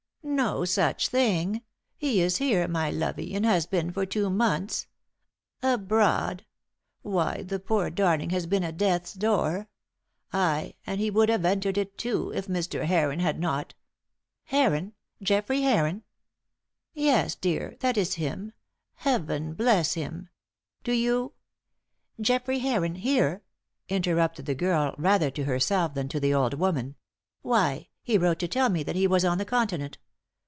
"No such thing. He is here, my lovey, and has been for two months. Abroad? Why, the poor darling has been at death's door! Aye, and he would have entered it, too, if Mr. Heron had not " "Heron? Geoffrey Heron?" "Yes, dear, that is him, Heaven bless him. Do you " "Geoffrey Heron here?" interrupted the girl rather to herself than to the old woman. "Why, he wrote to tell me that he was on the Continent.